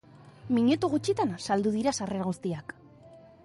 Minutu gutxian saldu dira sarrera guztiak.